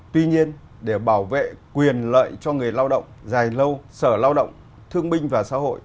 tuy nhiên để bảo vệ quyền lợi cho người lao động dài lâu sở lao động thương minh và xã hội